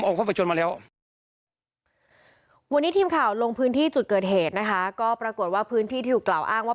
ก็ปรากฏว่าพื้นที่ถูกกล่าวอ้างว่า